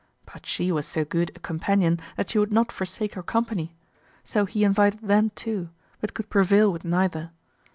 But she was so good a companion that she would not forsake her company. So he invited them too, but could prevail with neither.